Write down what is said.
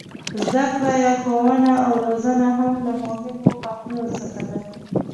زده کړه یا ښوونه او روزنه هم له مهمو حقونو څخه ده.